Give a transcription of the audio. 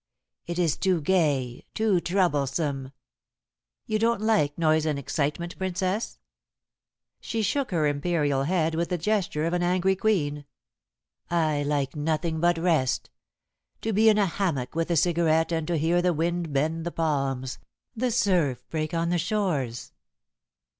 It is too gay, too troublesome." "You don't like noise and excitement, Princess?" She shook her imperial head with the gesture of an angry queen. "I like nothing but rest. To be in a hammock with a cigarette and to hear the wind bend the palms, the surf break on the shores.